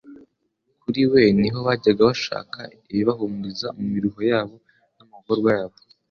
kuri we ni ho bajyaga bashaka ibibahumuriza mu miruho yabo n'amagorwa yabo.